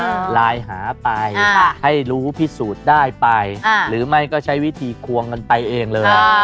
ไลน์หาไปค่ะให้รู้พิสูจน์ได้ไปค่ะหรือไม่ก็ใช้วิธีควงกันไปเองเลย